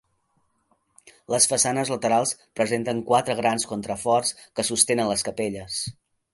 Les façanes laterals presenten quatre grans contraforts que sostenen les capelles.